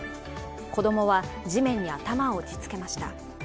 子供は地面に頭を打ちつけました。